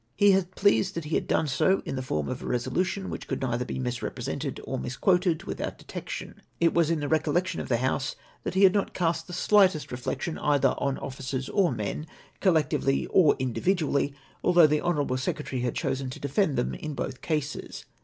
He was pleased that he had done so in the form of a resolution which could neither be misrepresented or misquoted without detection. It was in the recollection of the House that he had not cast the slightest reflection either on officers or men, collectively or individually, although the honourable secretary had chosen to defend them in both cases.